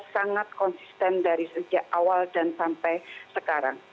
sangat konsisten dari sejak awal dan sampai sekarang